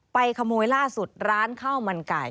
ขโมยล่าสุดร้านข้าวมันไก่